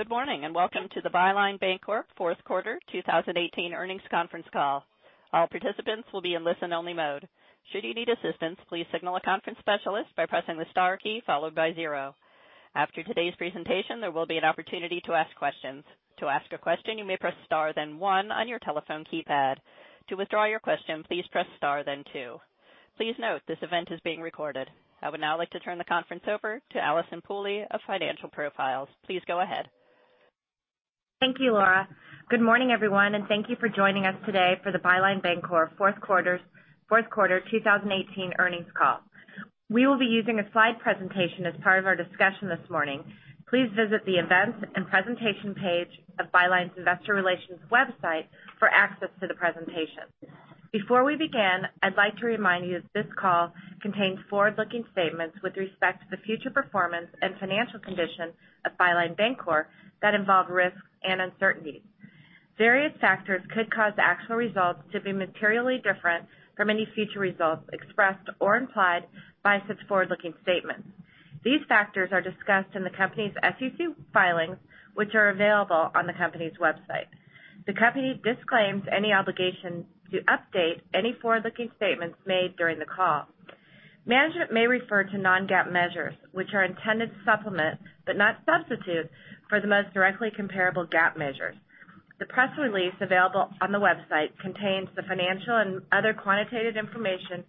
Good morning, and welcome to the Byline Bancorp Fourth Quarter 2018 Earnings Conference Call. I would now like to turn the conference over to Allison Pooley of Financial Profiles. Please go ahead. Thank you, Laura. Good morning, everyone, and thank you for joining us today for the Byline Bancorp Fourth Quarter 2018 Earnings Call. We will be using a slide presentation as part of our discussion this morning. Please visit the Events and Presentation page of Byline's investor relations website for access to the presentation. Before we begin, I'd like to remind you that this call contains forward-looking statements with respect to the future performance and financial condition of Byline Bancorp that involve risks and uncertainties. Various factors could cause actual results to be materially different from any future results expressed or implied by such forward-looking statements. These factors are discussed in the company's SEC filings, which are available on the company's website. The company disclaims any obligation to update any forward-looking statements made during the call. Management may refer to non-GAAP measures, which are intended supplement, but not substitutes, for the most directly comparable GAAP measures. The press release available on the website contains the financial and other quantitative information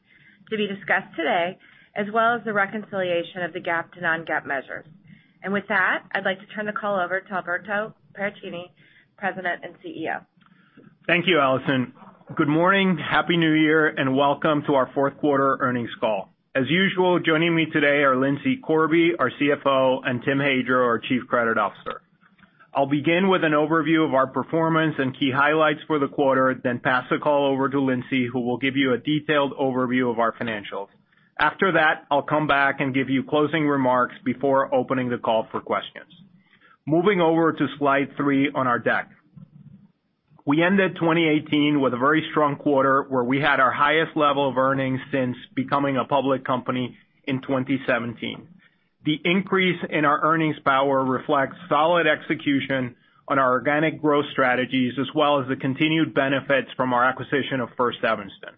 to be discussed today, as well as the reconciliation of the GAAP to non-GAAP measures. With that, I'd like to turn the call over to Alberto Paracchini, President and CEO. Thank you, Allison. Good morning, happy New Year, and welcome to our fourth quarter earnings call. As usual, joining me today are Lindsay Corby, our CFO, and Timothy Hadro, our Chief Credit Officer. I'll begin with an overview of our performance and key highlights for the quarter, then pass the call over to Lindsay, who will give you a detailed overview of our financials. After that, I'll come back and give you closing remarks before opening the call for questions. Moving over to slide three on our deck. We ended 2018 with a very strong quarter where we had our highest level of earnings since becoming a public company in 2017. The increase in our earnings power reflects solid execution on our organic growth strategies, as well as the continued benefits from our acquisition of First Evanston.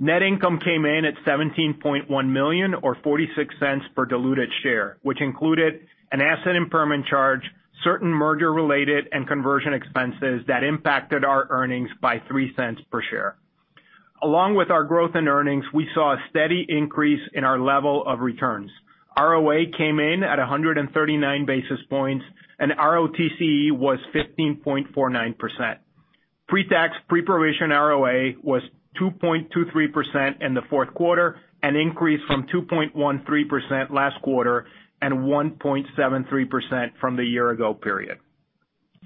Net income came in at $17.1 million or $0.46 per diluted share, which included an asset impairment charge, certain merger-related and conversion expenses that impacted our earnings by $0.03 per share. Along with our growth in earnings, we saw a steady increase in our level of returns. ROA came in at 139 basis points, and ROTCE was 15.49%. Pre-tax, pre-provision ROA was 2.23% in the fourth quarter, an increase from 2.13% last quarter and 1.73% from the year-ago period.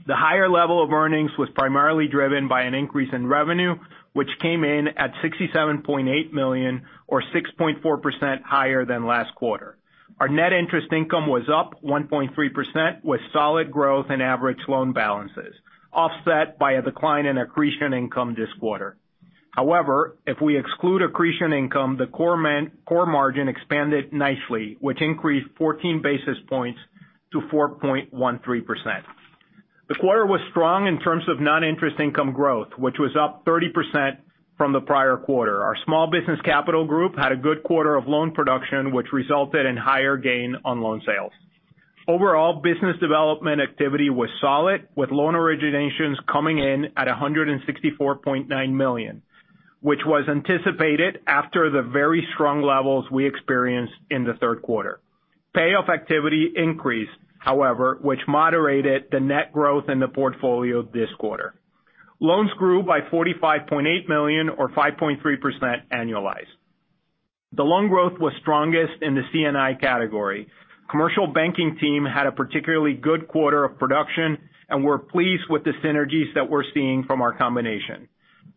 The higher level of earnings was primarily driven by an increase in revenue, which came in at $67.8 million or 6.4% higher than last quarter. Our net interest income was up 1.3% with solid growth in average loan balances, offset by a decline in accretion income this quarter. However, if we exclude accretion income, the core margin expanded nicely, which increased 14 basis points to 4.13%. The quarter was strong in terms of non-interest income growth, which was up 30% from the prior quarter. Our Small Business Capital group had a good quarter of loan production which resulted in higher gain on loan sales. Overall business development activity was solid with loan originations coming in at $164.9 million, which was anticipated after the very strong levels we experienced in the third quarter. Payoff activity increased, however, which moderated the net growth in the portfolio this quarter. Loans grew by $45.8 million or 5.3% annualized. The loan growth was strongest in the C&I category. Commercial banking team had a particularly good quarter of production and we're pleased with the synergies that we're seeing from our combination.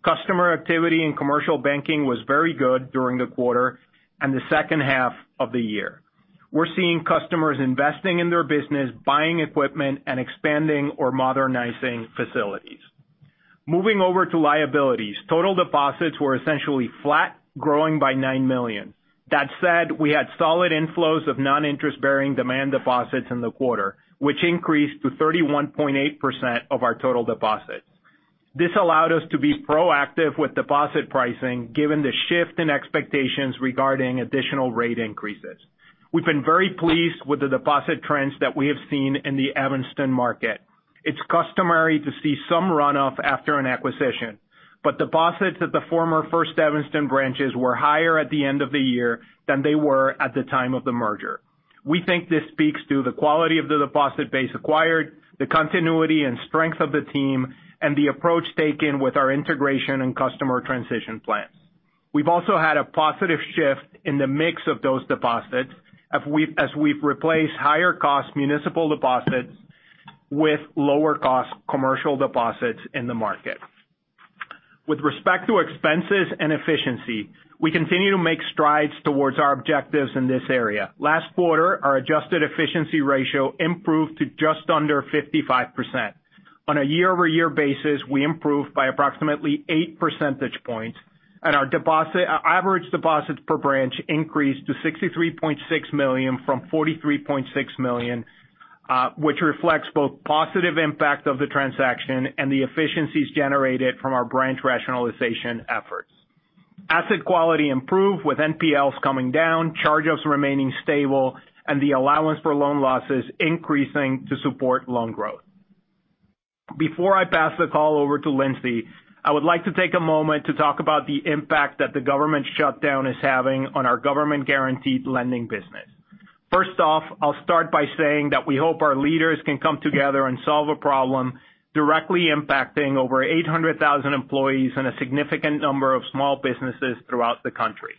Customer activity in commercial banking was very good during the quarter and the second half of the year. We're seeing customers investing in their business, buying equipment, and expanding or modernizing facilities. Moving over to liabilities. Total deposits were essentially flat, growing by $9 million. We had solid inflows of non-interest-bearing demand deposits in the quarter, which increased to 31.8% of our total deposits. This allowed us to be proactive with deposit pricing given the shift in expectations regarding additional rate increases. We've been very pleased with the deposit trends that we have seen in the Evanston market. It's customary to see some runoff after an acquisition, but deposits at the former First Evanston branches were higher at the end of the year than they were at the time of the merger. We think this speaks to the quality of the deposit base acquired, the continuity and strength of the team, and the approach taken with our integration and customer transition plans. We've also had a positive shift in the mix of those deposits as we've replaced higher cost municipal deposits with lower cost commercial deposits in the market. With respect to expenses and efficiency, we continue to make strides towards our objectives in this area. Last quarter, our adjusted efficiency ratio improved to just under 55%. On a year-over-year basis, we improved by approximately eight percentage points, and our average deposits per branch increased to $63.6 million from $43.6 million, which reflects both positive impact of the transaction and the efficiencies generated from our branch rationalization efforts. Asset quality improved with NPLs coming down, charge-offs remaining stable, and the allowance for loan losses increasing to support loan growth. Before I pass the call over to Lindsay, I would like to take a moment to talk about the impact that the government shutdown is having on our government-guaranteed lending business. First off, I'll start by saying that we hope our leaders can come together and solve a problem directly impacting over 800,000 employees and a significant number of small businesses throughout the country.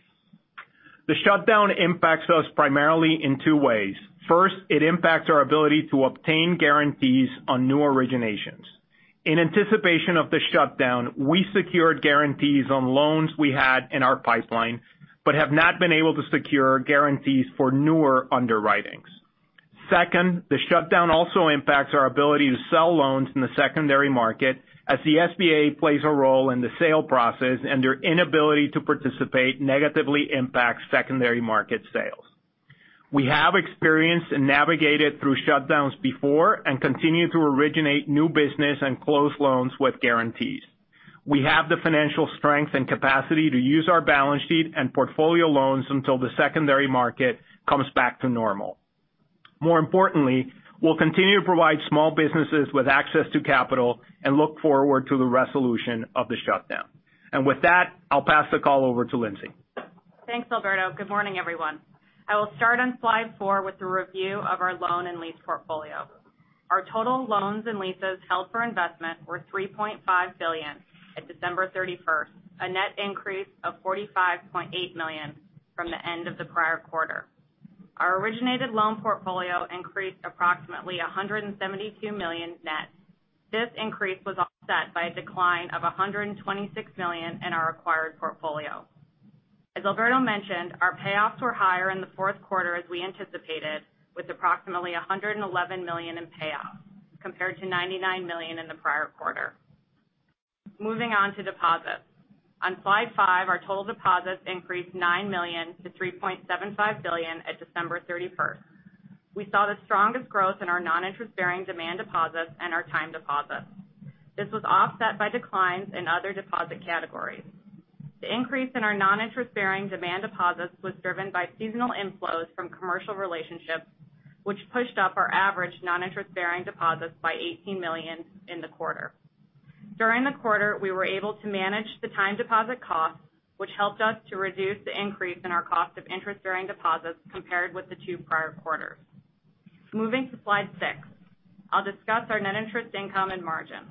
The shutdown impacts us primarily in two ways. First, it impacts our ability to obtain guarantees on new originations. In anticipation of the shutdown, we secured guarantees on loans we had in our pipeline but have not been able to secure guarantees for newer underwritings. Second, the shutdown also impacts our ability to sell loans in the secondary market as the SBA plays a role in the sale process, and their inability to participate negatively impacts secondary market sales. We have experience and navigated through shutdowns before and continue to originate new business and close loans with guarantees. We have the financial strength and capacity to use our balance sheet and portfolio loans until the secondary market comes back to normal. More importantly, we'll continue to provide small businesses with access to capital and look forward to the resolution of the shutdown. With that, I'll pass the call over to Lindsay. Thanks, Alberto. Good morning, everyone. I will start on slide four with a review of our loan and lease portfolio. Our total loans and leases held for investment were $3.5 billion at December 31st, a net increase of $45.8 million from the end of the prior quarter. Our originated loan portfolio increased approximately $172 million net. This increase was offset by a decline of $126 million in our acquired portfolio. As Alberto mentioned, our payoffs were higher in the fourth quarter as we anticipated, with approximately $111 million in payoffs, compared to $99 million in the prior quarter. Moving on to deposits. On slide five, our total deposits increased $9 million to $3.75 billion at December 31st. We saw the strongest growth in our non-interest-bearing demand deposits and our time deposits. This was offset by declines in other deposit categories. The increase in our non-interest-bearing demand deposits was driven by seasonal inflows from commercial relationships, which pushed up our average non-interest-bearing deposits by $18 million in the quarter. During the quarter, we were able to manage the time deposit costs, which helped us to reduce the increase in our cost of interest-bearing deposits compared with the two prior quarters. Moving to slide six, I'll discuss our net interest income and margin.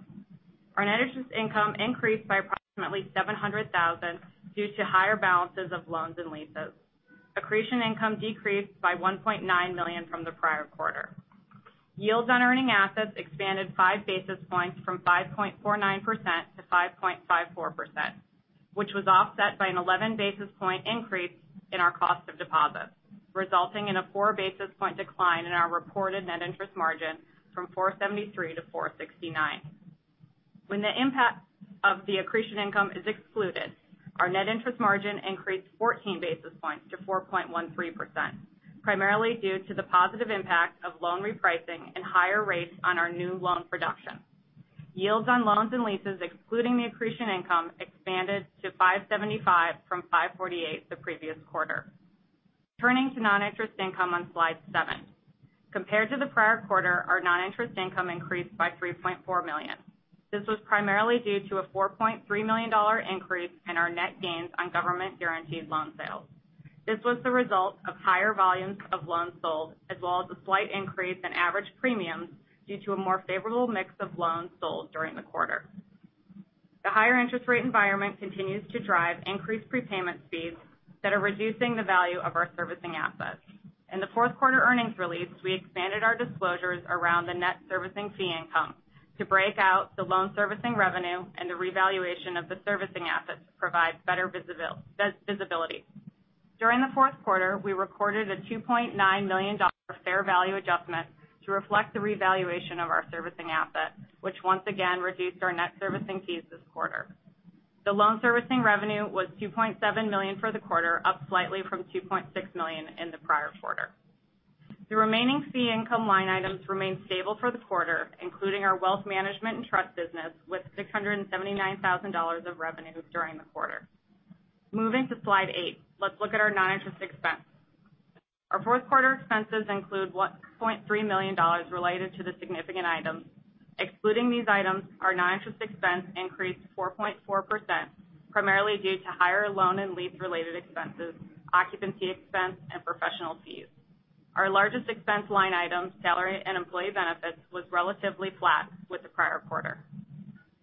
Our net interest income increased by approximately $700,000 due to higher balances of loans and leases. Accretion income decreased by $1.9 million from the prior quarter. Yields on earning assets expanded five basis points from 5.49% - 5.54%, which was offset by an 11 basis point increase in our cost of deposits, resulting in a four basis point decline in our reported net interest margin from 473 - 469. When the impact of the accretion income is excluded, our net interest margin increased 14 basis points to 4.13%, primarily due to the positive impact of loan repricing and higher rates on our new loan production. Yields on loans and leases, excluding the accretion income, expanded to 575 from 548 the previous quarter. Turning to non-interest income on slide seven. Compared to the prior quarter, our non-interest income increased by $3.4 million. This was primarily due to a $4.3 million increase in our net gains on government-guaranteed loan sales. This was the result of higher volumes of loans sold, as well as a slight increase in average premiums due to a more favorable mix of loans sold during the quarter. The higher interest rate environment continues to drive increased prepayment speeds that are reducing the value of our servicing assets. In the fourth quarter earnings release, we expanded our disclosures around the net servicing fee income to break out the loan servicing revenue and the revaluation of the servicing assets to provide better visibility. During the fourth quarter, we recorded a $2.9 million fair value adjustment to reflect the revaluation of our servicing assets, which once again reduced our net servicing fees this quarter. The loan servicing revenue was $2.7 million for the quarter, up slightly from $2.6 million in the prior quarter. The remaining fee income line items remained stable for the quarter, including our wealth management and trust business, with $679,000 of revenue during the quarter. Moving to slide eight. Let's look at our non-interest expense. Our fourth quarter expenses include $1.3 million related to the significant items. Excluding these items, our non-interest expense increased 4.4%, primarily due to higher loan and lease-related expenses, occupancy expense, and professional fees. Our largest expense line item, salary and employee benefits, was relatively flat with the prior quarter.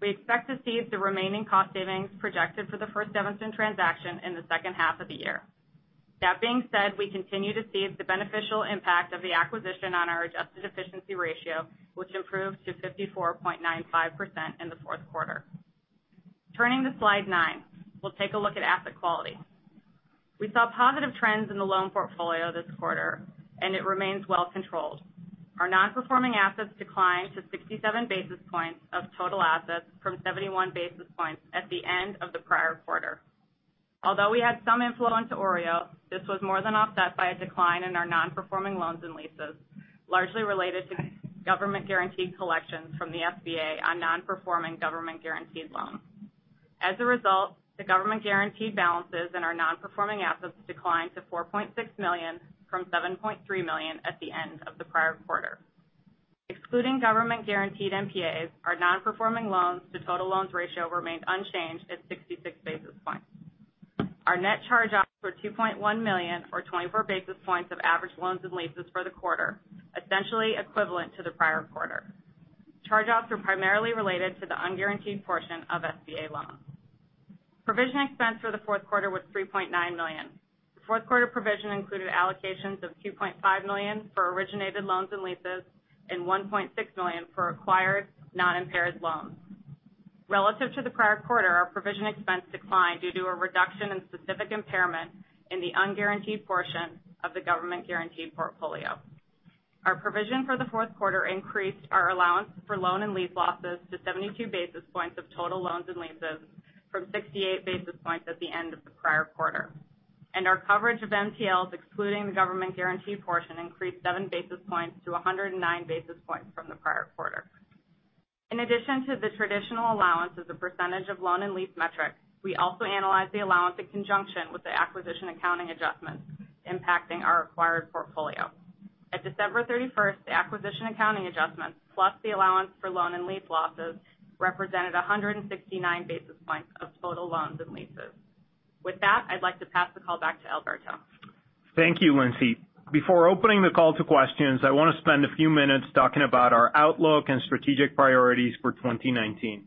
We expect to see the remaining cost savings projected for the First Evanston transaction in the second half of the year. That being said, we continue to see the beneficial impact of the acquisition on our adjusted efficiency ratio, which improved to 54.95% in the fourth quarter. Turning to slide nine, we'll take a look at asset quality. We saw positive trends in the loan portfolio this quarter, and it remains well controlled. Our non-performing assets declined to 67 basis points of total assets from 71 basis points at the end of the prior quarter. Although we had some influence to OREO, this was more than offset by a decline in our non-performing loans and leases, largely related to government guaranteed collections from the SBA on non-performing government guaranteed loans. As a result, the government guaranteed balances in our non-performing assets declined to $4.6 million from $7.3 million at the end of the prior quarter. Excluding government guaranteed NPAs, our non-performing loans to total loans ratio remained unchanged at 66 basis points. Our net charge-offs were $2.1 million or 24 basis points of average loans and leases for the quarter, essentially equivalent to the prior quarter. Charge-offs were primarily related to the unguaranteed portion of SBA loans. Provision expense for the fourth quarter was $3.9 million. The fourth quarter provision included allocations of $2.5 million for originated loans and leases and $1.6 million for acquired non-impaired loans. Relative to the prior quarter, our provision expense declined due to a reduction in specific impairment in the unguaranteed portion of the government guaranteed portfolio. Our provision for the fourth quarter increased our allowance for loan and lease losses to 72 basis points of total loans and leases from 68 basis points at the end of the prior quarter. Our coverage of NPLs, excluding the government guarantee portion, increased seven basis points to 109 basis points from the prior quarter. In addition to the traditional allowance as a percentage of loan and lease metrics, we also analyzed the allowance in conjunction with the acquisition accounting adjustments impacting our acquired portfolio. At December 31st, the acquisition accounting adjustments, plus the allowance for loan and lease losses, represented 169 basis points of total loans and leases. With that, I'd like to pass the call back to Alberto. Thank you, Lindsay. Before opening the call to questions, I want to spend a few minutes talking about our outlook and strategic priorities for 2019.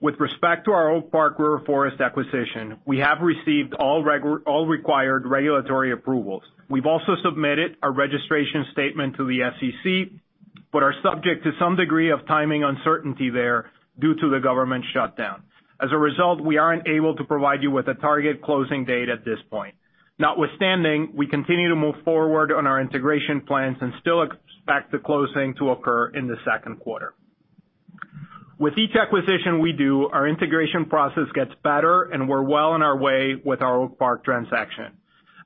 With respect to our Oak Park River Forest acquisition, we have received all required regulatory approvals. We've also submitted a registration statement to the SEC, but are subject to some degree of timing uncertainty there due to the government shutdown. As a result, we aren't able to provide you with a target closing date at this point. Notwithstanding, we continue to move forward on our integration plans and still expect the closing to occur in the second quarter. With each acquisition we do, our integration process gets better, and we're well on our way with our Oak Park transaction.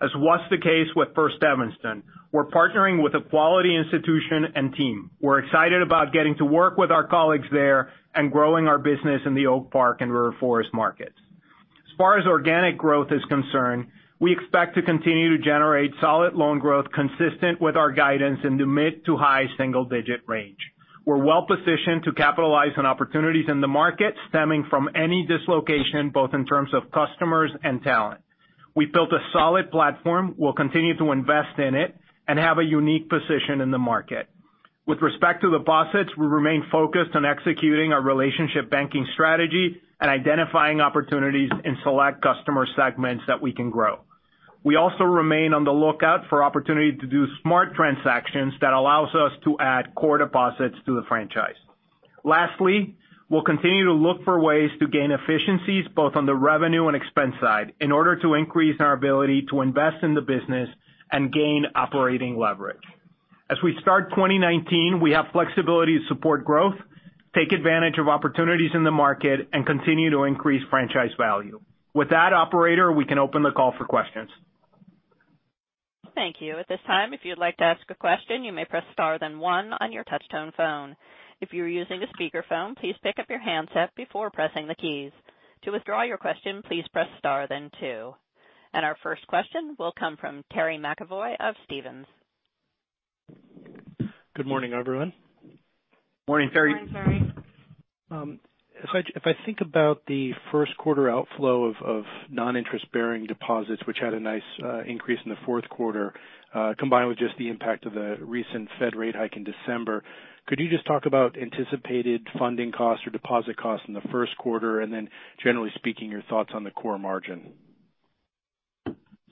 As was the case with First Evanston, we're partnering with a quality institution and team. We're excited about getting to work with our colleagues there and growing our business in the Oak Park and River Forest markets. As far as organic growth is concerned, we expect to continue to generate solid loan growth consistent with our guidance in the mid to high single digit range. We're well positioned to capitalize on opportunities in the market stemming from any dislocation, both in terms of customers and talent. We built a solid platform. We'll continue to invest in it and have a unique position in the market. With respect to deposits, we remain focused on executing our relationship banking strategy and identifying opportunities in select customer segments that we can grow. We also remain on the lookout for opportunity to do smart transactions that allows us to add core deposits to the franchise. Lastly, we'll continue to look for ways to gain efficiencies both on the revenue and expense side in order to increase our ability to invest in the business and gain operating leverage. As we start 2019, we have flexibility to support growth, take advantage of opportunities in the market and continue to increase franchise value. With that operator, we can open the call for questions. Thank you. Our first question will come from Terry McEvoy of Stephens Inc. Good morning, everyone? Morning, Terry. Morning, Terry. If I think about the first quarter outflow of non-interest bearing deposits, which had a nice increase in the fourth quarter, combined with just the impact of the recent Fed rate hike in December, could you just talk about anticipated funding costs or deposit costs in the first quarter? Generally speaking, your thoughts on the core margin.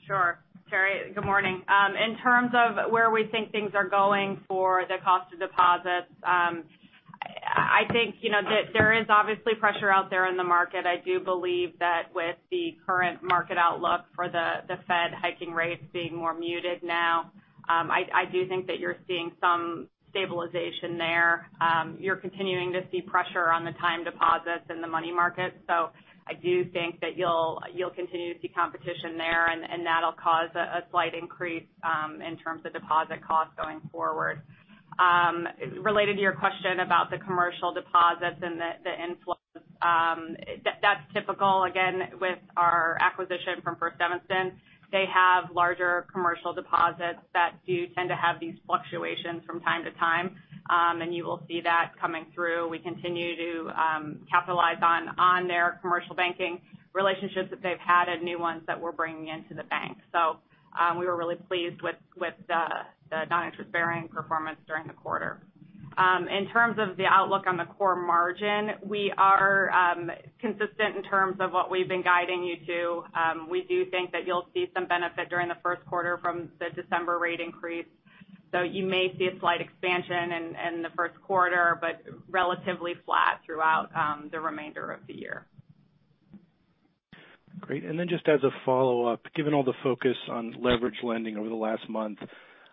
Sure. Terry, good morning. In terms of where we think things are going for the cost of deposits, I think that there is obviously pressure out there in the market. I do believe that with the current market outlook for the Fed hiking rates being more muted now, I do think that you're seeing some stabilization there. You're continuing to see pressure on the time deposits in the money market. I do think that you'll continue to see competition there, and that'll cause a slight increase in terms of deposit costs going forward. Related to your question about the commercial deposits and the inflows, that's typical again with our acquisition from First Evanston. They have larger commercial deposits that do tend to have these fluctuations from time to time. You will see that coming through. We continue to capitalize on their commercial banking relationships that they've had and new ones that we're bringing into the bank. We were really pleased with the non-interest bearing performance during the quarter. In terms of the outlook on the core margin, we are consistent in terms of what we've been guiding you to. We do think that you'll see some benefit during the first quarter from the December rate increase. You may see a slight expansion in the first quarter, but relatively flat throughout the remainder of the year. Great. Then just as a follow-up, given all the focus on leverage lending over the last month,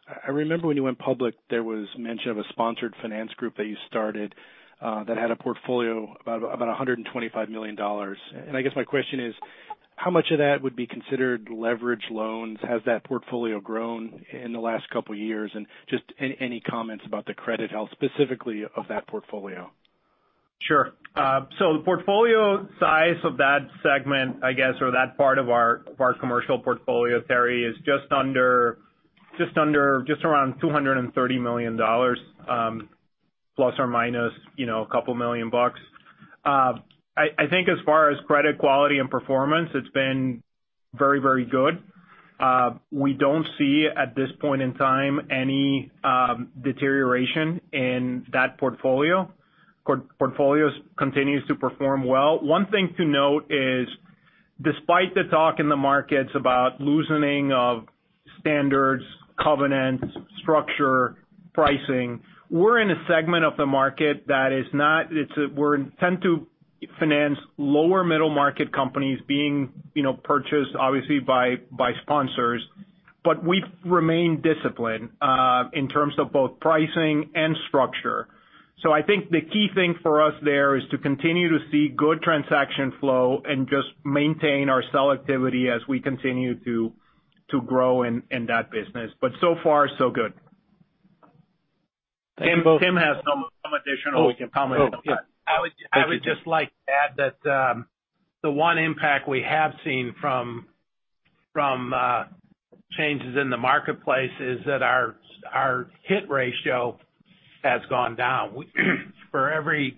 I remember when you went public, there was mention of a sponsored finance group that you started that had a portfolio of about $125 million. I guess my question is how much of that would be considered leverage loans? Has that portfolio grown in the last couple of years? And just any comments about the credit health specifically of that portfolio? Sure. The portfolio size of that segment, I guess, or that part of our commercial portfolio, Terry, is just around $230 million, plus or minus a couple million bucks. I think as far as credit quality and performance, it's been very good. We don't see at this point in time any deterioration in that portfolio. Portfolio continues to perform well. One thing to note is despite the talk in the markets about loosening of standards, covenants, structure, pricing, we're in a segment of the market we tend to finance lower middle market companies being purchased obviously by sponsors, but we've remained disciplined in terms of both pricing and structure. I think the key thing for us there is to continue to see good transaction flow and just maintain our sell activity as we continue to grow in that business. So far, so good. Thank you. Tim has some additional comments. Oh, good. Thank you. I would just like to add that the one impact we have seen from changes in the marketplace is that our hit ratio has gone down. For every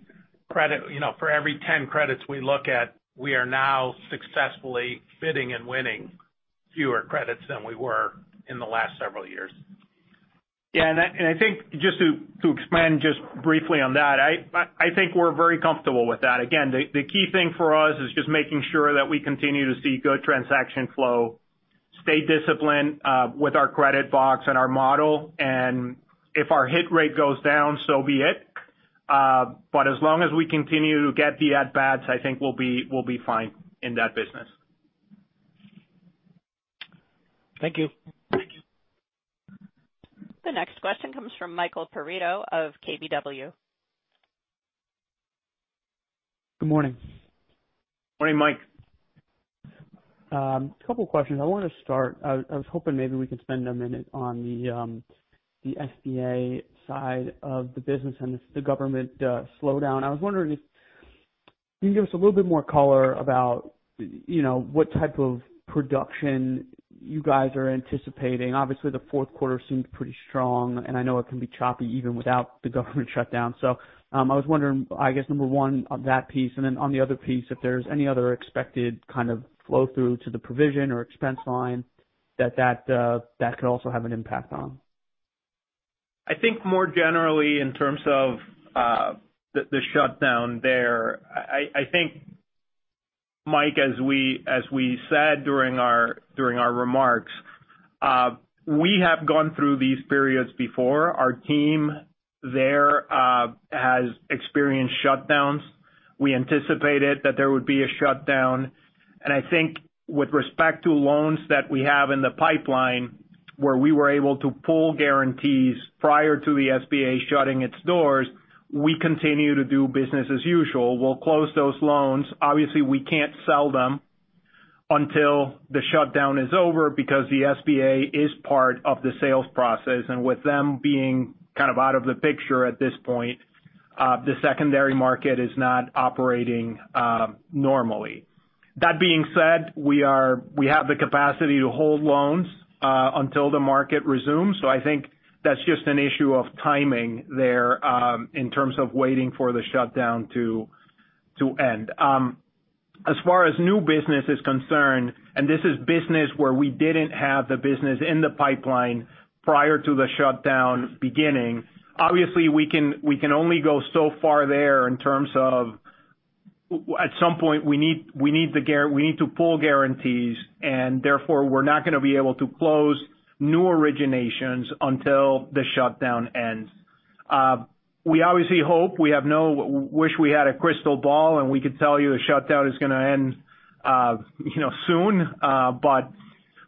10 credits we look at, we are now successfully bidding and winning fewer credits than we were in the last several years. Yeah, I think just to expand just briefly on that, I think we're very comfortable with that. Again, the key thing for us is just making sure that we continue to see good transaction flow, stay disciplined with our credit box and our model, and if our hit rate goes down, so be it. As long as we continue to get the at-bats, I think we'll be fine in that business. Thank you. Thank you. The next question comes from Michael Perito of KBW. Good morning? Morning, Mike. A couple of questions. I was hoping maybe we could spend a minute on the SBA side of the business and the government slowdown. I was wondering if you can give us a little bit more color about what type of production you guys are anticipating. Obviously, the fourth quarter seemed pretty strong, and I know it can be choppy even without the government shutdown. I was wondering, I guess number 1 on that piece, and then on the other piece, if there's any other expected kind of flow through to the provision or expense line that could also have an impact on. I think more generally in terms of the shutdown there. I think, Mike, as we said during our remarks, we have gone through these periods before. Our team there has experienced shutdowns. We anticipated that there would be a shutdown. With respect to loans that we have in the pipeline where we were able to pull guarantees prior to the SBA shutting its doors, we continue to do business as usual. We'll close those loans. Obviously, we can't sell them until the shutdown is over because the SBA is part of the sales process. With them being kind of out of the picture at this point, the secondary market is not operating normally. That being said, we have the capacity to hold loans until the market resumes. I think that's just an issue of timing there in terms of waiting for the shutdown to end. As far as new business is concerned, this is business where we didn't have the business in the pipeline prior to the shutdown beginning. Obviously, we can only go so far there in terms of at some point, we need to pull guarantees, therefore, we're not going to be able to close new originations until the shutdown ends. We obviously hope. We wish we had a crystal ball, we could tell you the shutdown is going to end soon.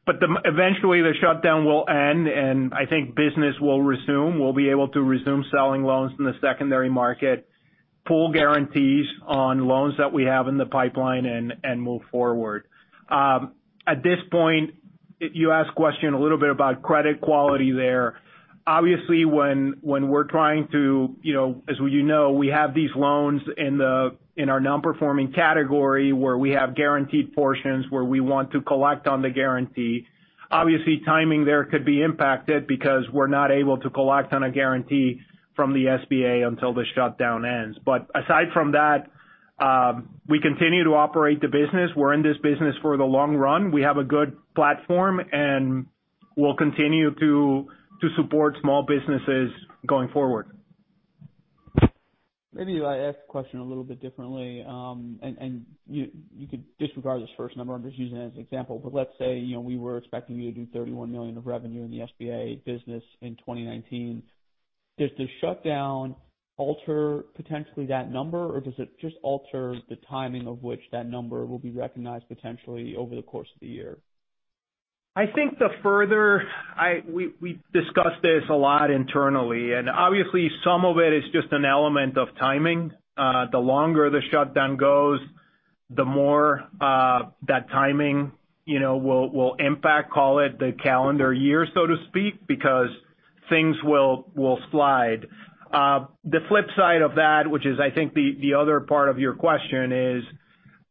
Eventually the shutdown will end, I think business will resume. We'll be able to resume selling loans in the secondary market, pull guarantees on loans that we have in the pipeline, and move forward. At this point, you asked question a little bit about credit quality there. Obviously, as you know, we have these loans in our non-performing category where we have guaranteed portions where we want to collect on the guarantee. Obviously, timing there could be impacted because we're not able to collect on a guarantee from the SBA until the shutdown ends. Aside from that, we continue to operate the business. We're in this business for the long run. We have a good platform, we'll continue to support small businesses going forward. Maybe if I ask the question a little bit differently, and you could disregard this first number, I'm just using it as an example, but let's say, we were expecting you to do $31 million of revenue in the SBA business in 2019. Does the shutdown alter potentially that number, or does it just alter the timing of which that number will be recognized potentially over the course of the year? I think We discussed this a lot internally, and obviously some of it is just an element of timing. The longer the shutdown goes, the more that timing will impact, call it, the calendar year, so to speak, because things will slide. The flip side of that, which is I think the other part of your question is,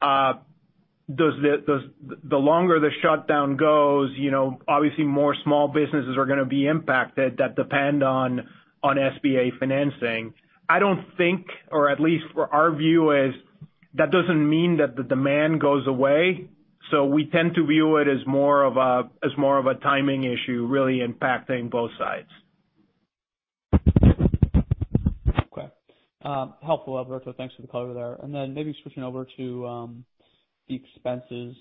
the longer the shutdown goes, obviously more small businesses are going to be impacted that depend on SBA financing. I don't think, or at least our view is that doesn't mean that the demand goes away. We tend to view it as more of a timing issue, really impacting both sides. Okay. Helpful, Alberto. Thanks for the color there. Maybe switching over to the expenses.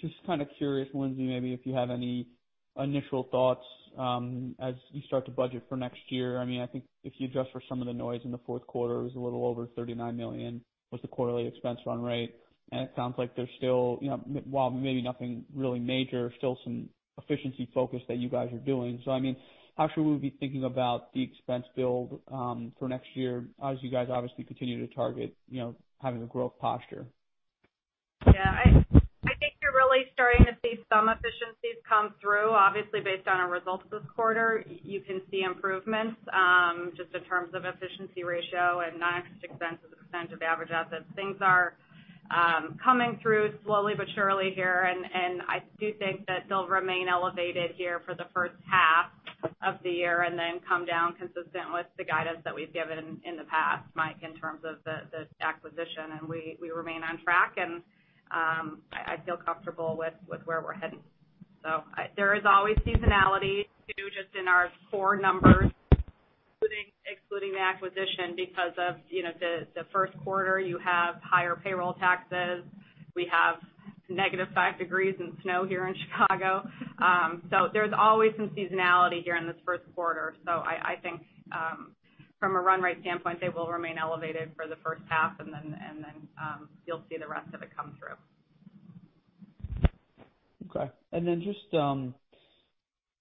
Just kind of curious, Lindsay, maybe if you have any initial thoughts as you start to budget for next year. I think if you adjust for some of the noise in the fourth quarter, it was a little over $39 million was the quarterly expense run rate. It sounds like there's still, while maybe nothing really major, still some efficiency focus that you guys are doing. How should we be thinking about the expense build for next year as you guys obviously continue to target having a growth posture? Yeah. I think you're really starting to see some efficiencies come through. Obviously based on our results this quarter, you can see improvements just in terms of efficiency ratio and non-interest expense as a percent of average assets. Things are coming through slowly but surely here, and I do think that they'll remain elevated here for the first half of the year and then come down consistent with the guidance that we've given in the past, Mike, in terms of the acquisition. We remain on track, and I feel comfortable with where we're heading. There is always seasonality, too, just in our core numbers, excluding the acquisition, because of the first quarter you have higher payroll taxes. We have negative five degrees and snow here in Chicago. There's always some seasonality here in this first quarter. I think from a run rate standpoint, they will remain elevated for the first half and then you'll see the rest of it come through. Okay.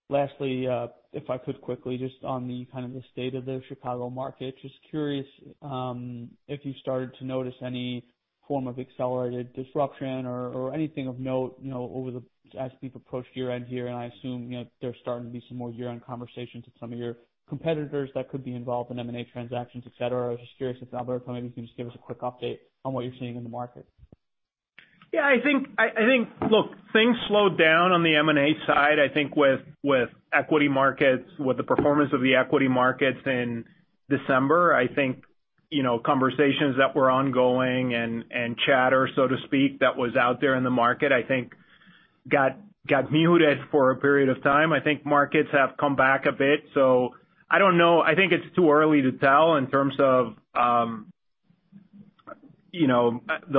Lastly, if I could quickly, just on the kind of the state of the Chicago market. Curious if you started to notice any form of accelerated disruption or anything of note as we've approached year-end here, and I assume there's starting to be some more year-end conversations with some of your competitors that could be involved in M&A transactions, et cetera. I was curious if, Alberto, maybe you can just give us a quick update on what you're seeing in the market? Yeah. Look, things slowed down on the M&A side. I think with the performance of the equity markets in December, I think conversations that were ongoing and chatter, so to speak, that was out there in the market, I think got muted for a period of time. I think markets have come back a bit. I don't know. I think it's too early to tell in terms of the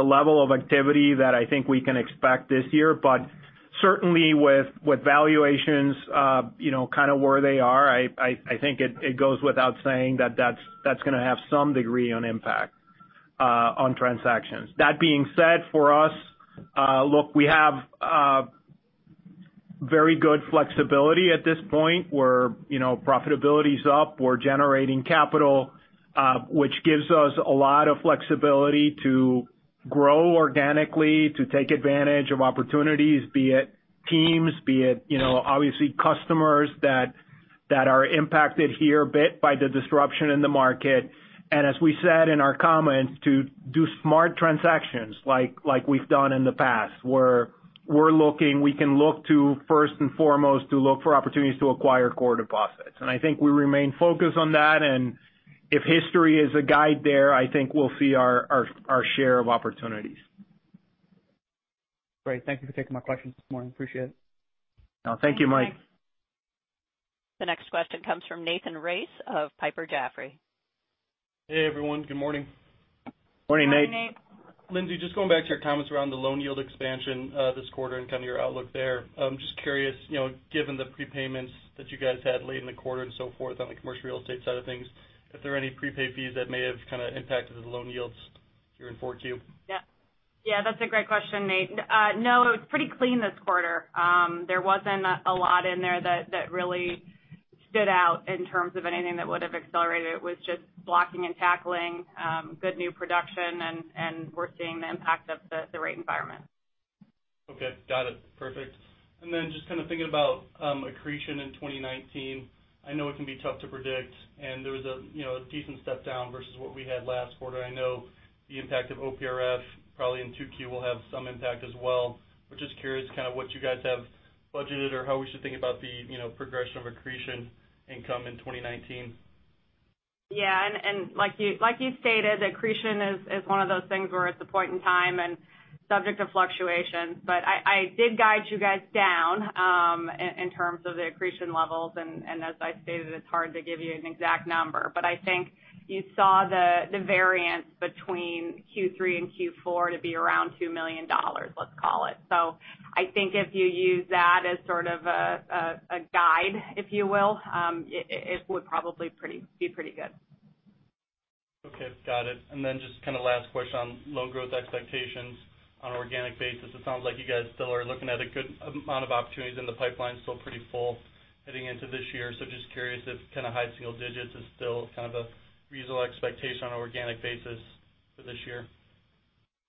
level of activity that I think we can expect this year. Certainly with valuations where they are, I think it goes without saying that that's going to have some degree on impact on transactions. That being said, for us, look, we have very good flexibility at this point, where profitability's up. We're generating capital, which gives us a lot of flexibility to grow organically, to take advantage of opportunities, be it teams, be it obviously customers that are impacted here a bit by the disruption in the market. As we said in our comments, to do smart transactions like we've done in the past, where we can look to, first and foremost, to look for opportunities to acquire core deposits. I think we remain focused on that, and if history is a guide there, I think we'll see our share of opportunities. Great. Thank you for taking my questions this morning. Appreciate it. Thank you, Mike. Thanks. The next question comes from Nathan Race of Piper Jaffray. Hey, everyone. Good morning? Morning, Nate. Morning, Nate. Lindsay, just going back to your comments around the loan yield expansion this quarter and kind of your outlook there. Just curious, given the prepayments that you guys had late in the quarter and so forth on the commercial real estate side of things, if there are any prepaid fees that may have kind of impacted the loan yields here in 4Q? Yeah. That's a great question, Nate. It was pretty clean this quarter. There wasn't a lot in there that really stood out in terms of anything that would have accelerated. It was just blocking and tackling good new production and we're seeing the impact of the rate environment. Okay. Got it. Perfect. Then just kind of thinking about accretion in 2019. I know it can be tough to predict, and there was a decent step down versus what we had last quarter. I know the impact of OPRF probably in 2Q will have some impact as well is kind of what you guys have budgeted or how we should think about the progression of accretion income in 2019. Yeah. Like you stated, accretion is one of those things where it's a point in time and subject to fluctuations. I did guide you guys down in terms of the accretion levels, and as I stated, it's hard to give you an exact number. I think you saw the variance between Q3 and Q4 to be around $2 million, let's call it. I think if you use that as sort of a guide, if you will, it would probably be pretty good. Okay. Got it. Then just last question on low growth expectations on an organic basis. It sounds like you guys still are looking at a good amount of opportunities and the pipeline's still pretty full heading into this year. Just curious if kind of high single digits is still kind of a reasonable expectation on an organic basis for this year.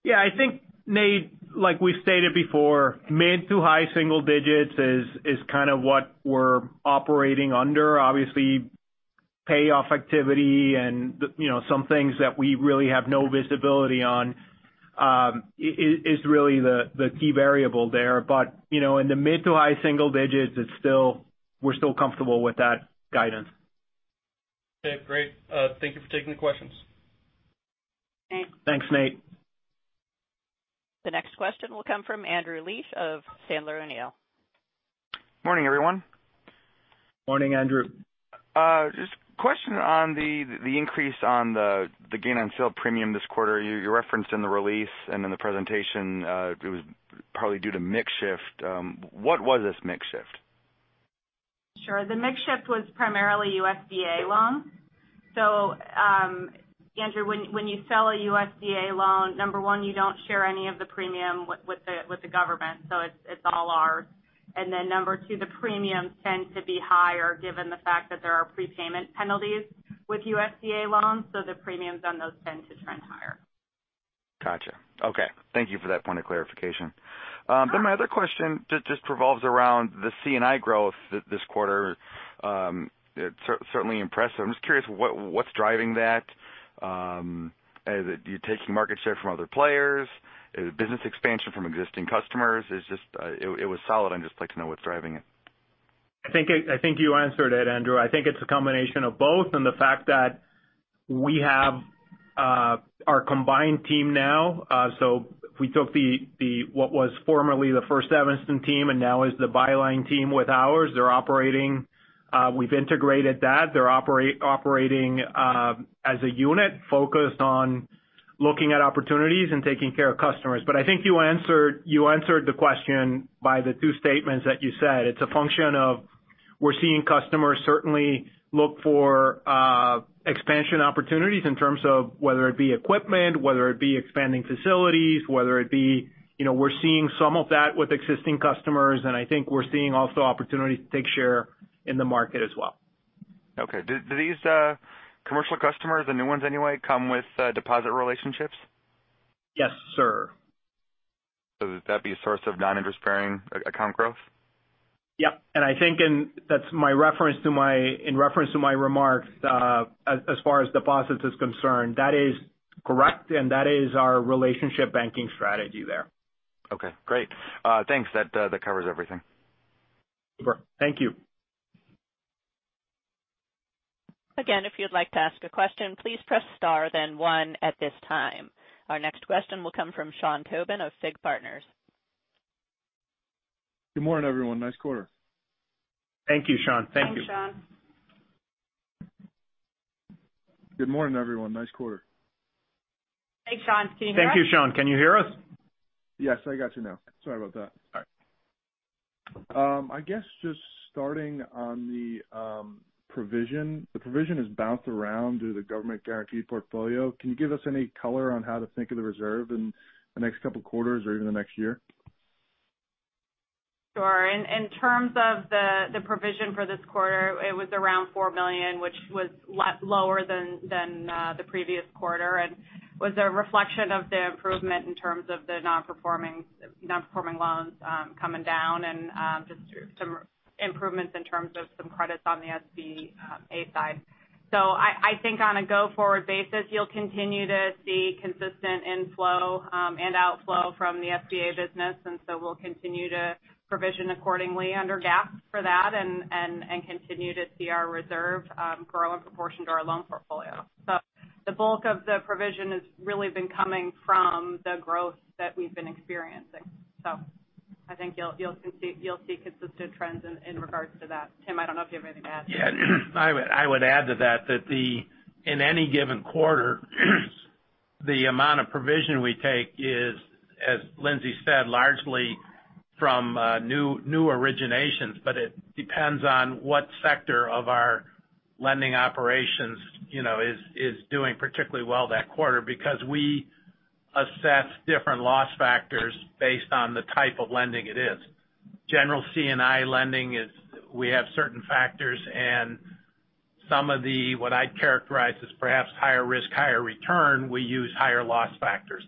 Yeah, I think, Nate, like we stated before, mid to high single digits is kind of what we're operating under. Obviously, payoff activity and some things that we really have no visibility on is really the key variable there. In the mid to high single digits, we're still comfortable with that guidance. Okay, great. Thank you for taking the questions. Thanks. Thanks, Nate. The next question will come from Andrew Liesch of Sandler O'Neill. Morning, everyone. Morning, Andrew. A question on the increase on the gain on sale premium this quarter. You referenced in the release and in the presentation, it was probably due to mix shift. What was this mix shift? Sure. The mix shift was primarily USDA loans. Andrew, when you sell a USDA loan, number one, you don't share any of the premium with the government, so it's all ours. Then number two, the premiums tend to be higher given the fact that there are prepayment penalties with USDA loans, so the premiums on those tend to trend higher. Got you. Okay. Thank you for that point of clarification. Sure. My other question just revolves around the C&I growth this quarter. It's certainly impressive. I'm just curious, what's driving that? Are you taking market share from other players? Is it business expansion from existing customers? It was solid. I'd just like to know what's driving it. I think you answered it, Andrew. I think it's a combination of both and the fact that we have our combined team now. We took what was formerly the First Evanston team and now is the Byline team with ours. We've integrated that. They're operating as a unit focused on looking at opportunities and taking care of customers. I think you answered the question by the two statements that you said. It's a function of we're seeing customers certainly look for expansion opportunities in terms of whether it be equipment, whether it be expanding facilities. We're seeing some of that with existing customers, and I think we're seeing also opportunities to take share in the market as well. Okay. Do these commercial customers, the new ones anyway, come with deposit relationships? Yes, sir. Would that be a source of non-interest-bearing account growth? Yep. I think in reference to my remarks as far as deposits is concerned, that is correct, and that is our relationship banking strategy there. Okay, great. Thanks. That covers everything. Super. Thank you. Our next question will come from Sean Tobin of Fig Partners. Good morning, everyone. Nice quarter. Thank you, Sean. Thank you. Thanks, Sean. Good morning, everyone. Nice quarter. Hey, Sean. Can you hear us? Thank you, Sean. Can you hear us? Yes, I got you now. Sorry about that. All right. I guess just starting on the provision. The provision has bounced around due to government guaranteed portfolio. Can you give us any color on how to think of the reserve in the next couple of quarters or even the next year? Sure. In terms of the provision for this quarter, it was around $4 million, which was lower than the previous quarter, and was a reflection of the improvement in terms of the non-performing loans coming down and just some improvements in terms of some credits on the SBA side. I think on a go-forward basis, you'll continue to see consistent inflow and outflow from the SBA business, and we'll continue to provision accordingly under GAAP for that and continue to see our reserve grow in proportion to our loan portfolio. The bulk of the provision has really been coming from the growth that we've been experiencing. I think you'll see consistent trends in regards to that. Tim, I don't know if you have anything to add. Yeah. I would add to that in any given quarter, the amount of provision we take is, as Lindsay said, largely from new originations, but it depends on what sector of our lending operations is doing particularly well that quarter because we assess different loss factors based on the type of lending it is. General C&I lending, we have certain factors, and some of the, what I'd characterize as perhaps higher risk, higher return, we use higher loss factors.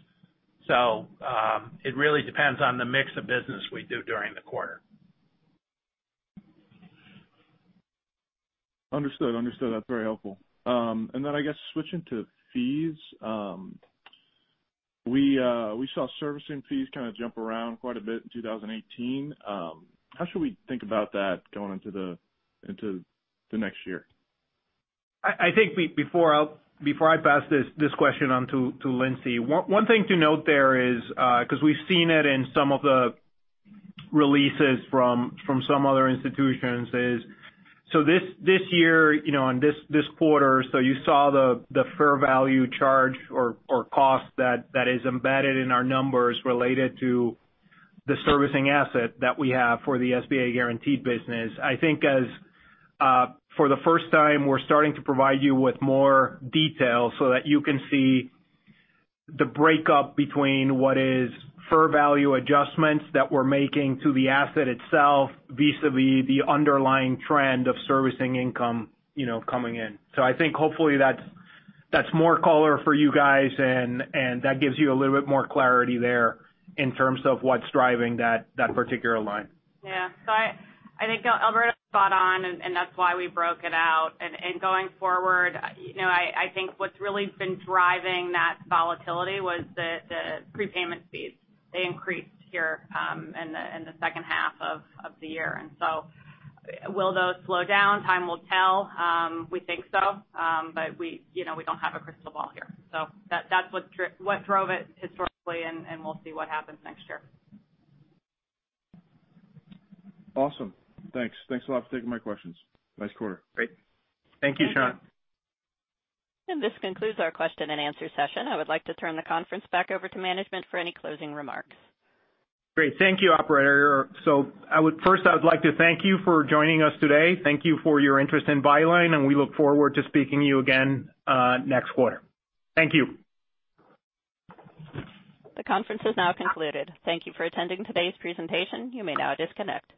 It really depends on the mix of business we do during the quarter. Understood. That's very helpful. I guess switching to fees, we saw servicing fees kind of jump around quite a bit in 2018. How should we think about that going into the next year? I think before I pass this question on to Lindsay, one thing to note there is because we've seen it in some of the releases from some other institutions is this year, on this quarter, you saw the fair value charge or cost that is embedded in our numbers related to the servicing asset that we have for the SBA guaranteed business. I think as for the first time, we're starting to provide you with more detail so that you can see the breakup between what is fair value adjustments that we're making to the asset itself vis-a-vis the underlying trend of servicing income coming in. Hopefully that's more color for you guys and that gives you a little bit more clarity there in terms of what's driving that particular line. Yeah. I think Alberto is spot on and that's why we broke it out. Going forward, I think what's really been driving that volatility was the prepayment fees. They increased here in the second half of the year. Will those slow down? Time will tell. We think so. We don't have a crystal ball here. That's what drove it historically, and we'll see what happens next year. Awesome. Thanks a lot for taking my questions. Nice quarter. Great. Thank you, Sean. This concludes our question and answer session. I would like to turn the conference back over to management for any closing remarks. Great. Thank you, operator. First I would like to thank you for joining us today. Thank you for your interest in Byline, and we look forward to speaking to you again next quarter. Thank you. The conference is now concluded. Thank you for attending today's presentation. You may now disconnect.